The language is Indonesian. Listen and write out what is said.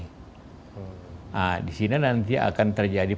nah disini nanti akan terjadi